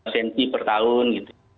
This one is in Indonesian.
centi per tahun gitu